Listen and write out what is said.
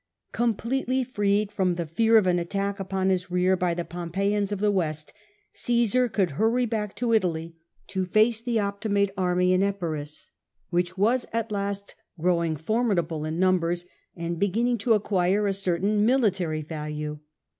Completely freed from the fear of an attack upon his rear by the Pompeians of the West, Ososar could hurry back to Italy to face the Optimate army in Epirus, which was at last growing formidable in numbers, and beginning to acquire a certain military value.